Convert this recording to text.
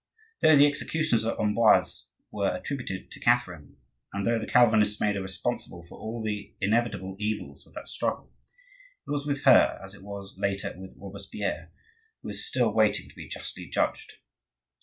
Though the executions at Amboise were attributed to Catherine, and though the Calvinists made her responsible for all the inevitable evils of that struggle, it was with her as it was, later, with Robespierre, who is still waiting to be justly judged.